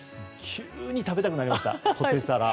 急に食べたくなりましたポテサラ。